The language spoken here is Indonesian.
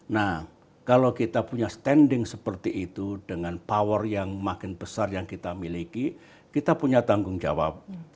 nah kalau kita punya standing seperti itu dengan power yang makin besar yang kita miliki kita punya tanggung jawab